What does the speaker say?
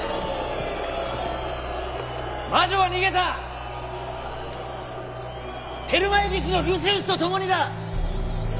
魔女は逃げたテルマエ技師のルシウスと共にだ